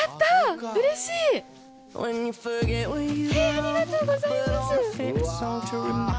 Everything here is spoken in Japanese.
ありがとうございます。